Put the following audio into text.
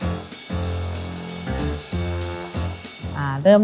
รับรูปเชียงของเจ้าสำเร็จ